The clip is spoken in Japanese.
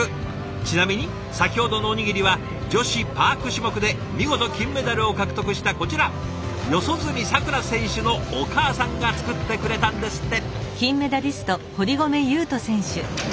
ちなみに先ほどのおにぎりは女子パーク種目で見事金メダルを獲得したこちら四十住さくら選手のお母さんが作ってくれたんですって。